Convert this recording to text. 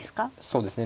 そうですね。